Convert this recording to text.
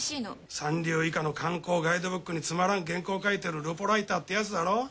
三流以下の観光ガイドブックにつまらん原稿書いてるルポライターってやつだろ？